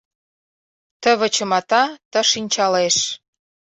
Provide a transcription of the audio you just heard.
Ты вычымата, ты шинчалеш.